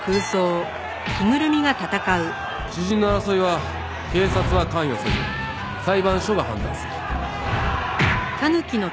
私人の争いは警察は関与せず裁判所が判断する。